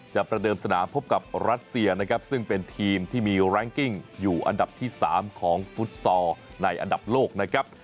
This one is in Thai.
ประเดิมสนามพบกับรัสเซียนะครับซึ่งเป็นทีมที่มีแรงกิ้งอยู่อันดับที่๓ของฟุตซอลในอันดับโลกนะครับ